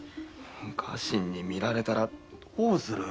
家臣に見られたらどうする？